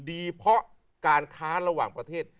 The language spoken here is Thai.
ดีเพราะการค้าระหว่างประเทศ